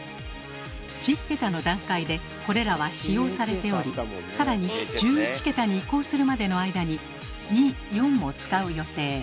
１０桁の段階でこれらは使用されており更に１１桁に移行するまでの間に２・４も使う予定。